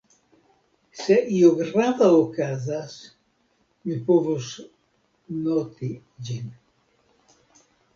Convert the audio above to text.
Se io grava okazas, mi povos noti ĝin.